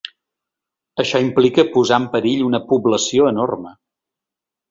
Això implica posar en perill una població enorme.